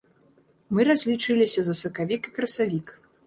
Мы разлічыліся за сакавік і красавік.